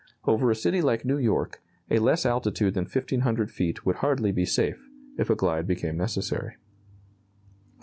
Over a city like New York, a less altitude than 1,500 feet would hardly be safe, if a glide became necessary.